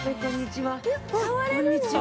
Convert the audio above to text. こんにちは